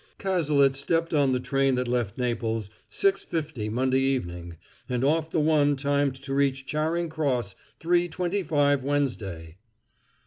"Cazalet stepped on the train that left Naples six fifty Monday evening, and off the one timed to reach Charing Cross three twenty five Wednesday."